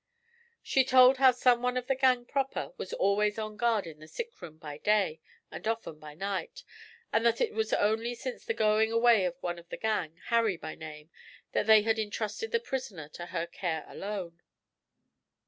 She told how some one of the gang proper was always on guard in the sick room by day, and often by night, and that it was only since the going away of one of the gang, Harry by name, that they had entrusted the prisoner to her care alone.